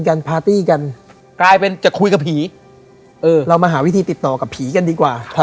พาร์ตี้กันกลายเป็นจะคุยกับผีเออเรามาหาวิธีติดต่อกับผีกันดีกว่า